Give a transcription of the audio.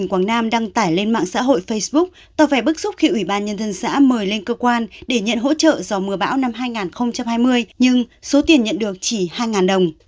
quảng nam đăng tải lên mạng xã hội facebook tôi phải bức xúc khi ủy ban nhân dân xã mời lên cơ quan để nhận hỗ trợ do mưa bão năm hai nghìn hai mươi nhưng số tiền nhận được chỉ hai đồng